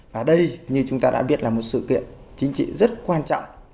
và đây như chúng ta đã biết là một sự kiện chính trị rất quan trọng